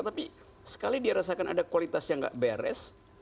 tapi sekali dia rasakan ada kualitas yang gak beres